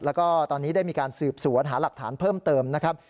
แล้วก็ตอนนี้ได้มีการสืบสวนหาหลักฐานเพิ่มเติมนะครับ